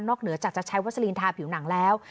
เหนือจากจะใช้วัสลีนทาผิวหนังแล้ว